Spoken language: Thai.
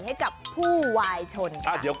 ให้กับผู้วายชน